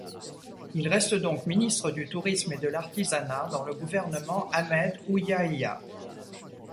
Il reste donc ministre du Tourisme et de l'Artisanat dans le gouvernement Ahmed Ouyahia.